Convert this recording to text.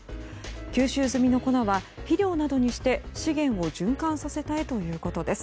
吸収済みの粉は肥料などにして資源を循環させたいということです。